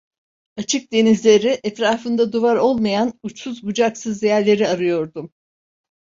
Açık denizleri, etrafında duvar olmayan, uçsuz bucaksız yerleri arıyordum.